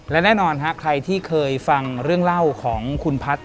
และแน่นอนฮะใครที่เคยฟังเรื่องเล่าของคุณพัฒน์